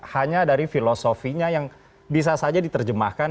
hanya dari filosofinya yang bisa saja diterjemahkan